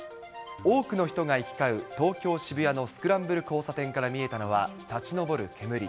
多くの人が行き交う東京・渋谷のスクランブル交差点から見えたのは、立ち上る煙。